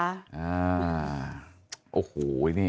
อ่าโอ้โหไอ้นี่